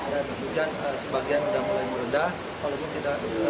dan hujan sebagian sudah mulai merendah